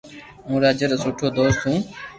ھون راجا رو سٺو دوست ھون